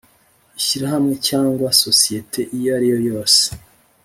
Ishyirahamwe cyangwa sosiyete iyo ariyo yose